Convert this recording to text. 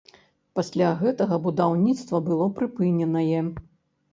Пасля гэтага будаўніцтва было прыпыненае.